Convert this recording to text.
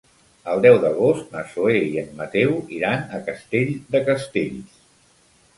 El deu d'agost na Zoè i en Mateu iran a Castell de Castells.